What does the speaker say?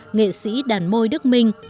nghệ sĩ đàn môi đức minh